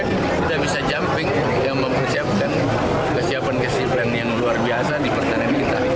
kita bisa jumping yang mempersiapkan kesiapan kesiapan yang luar biasa di pertanian kita